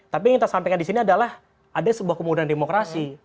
tapi yang kita sampaikan di sini adalah ada sebuah kemudahan demokrasi